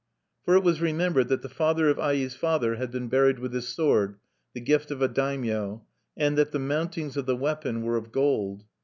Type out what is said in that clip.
For it was remembered that the father of Ai's father had been buried with his sword, the gift of a daimyo; and that the mountings of the weapon were of gold.